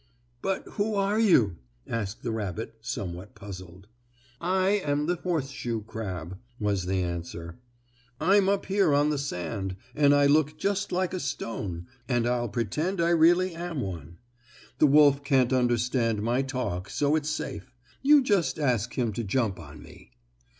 "But who are you?" asked the rabbit, somewhat puzzled. "I am the horseshoe crab," was the answer. "I'm up here on the sand, and I look just like a stone, and I'll pretend I really am one. The wolf can't understand my talk, so it's safe. You just ask him to jump on me."